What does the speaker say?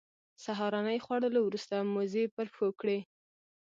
سهارنۍ خوړلو وروسته موزې پر پښو کړې.